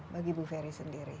bagi bu ferry sendiri